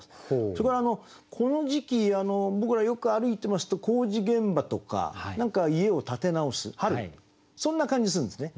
それからこの時期僕らよく歩いてますと工事現場とか何か家を建て直す春そんな感じするんですね。